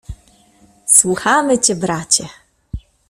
"Słuchamy cię, bracie."